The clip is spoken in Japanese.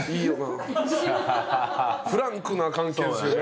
フランクな関係ですよね。